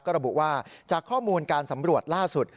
ก็ระบุว่าจากข้อมูลการสำรวจล่าสุด